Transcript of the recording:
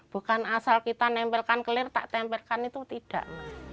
bukan asal kita nempelkan clear tak tempelkan itu tidak